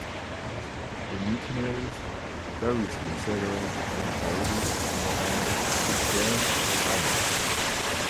The mutineers variously settled on Tahiti or on Pitcairn Island.